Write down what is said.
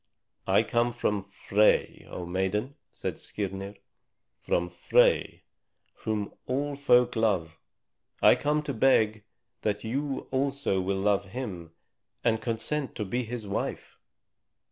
"I come from Frey, O maiden," said Skirnir, "from Frey, whom all folk love. I come to beg that you also will love him and consent to be his wife.